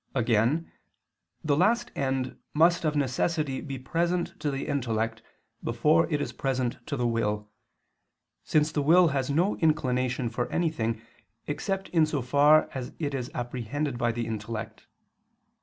Again, the last end must of necessity be present to the intellect before it is present to the will, since the will has no inclination for anything except in so far as it is apprehended by the intellect.